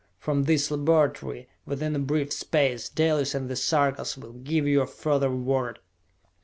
From this laboratory, within a brief space, Dalis and the Sarkas will give you further word!"